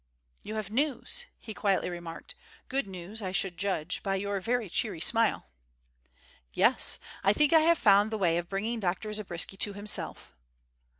"You have news," he quietly remarked. "Good news, I should judge, by your very cheery smile." "Yes; I think I have found the way of bringing Dr. Zabriskie to himself."